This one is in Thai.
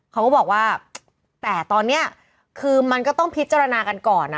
เขาก็บอกว่าแต่ตอนนี้คือมันก็ต้องพิจารณากันก่อนนะ